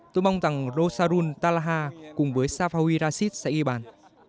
tôi mong rằng rosarun talaha cùng với safawi rashid sẽ ghi bàn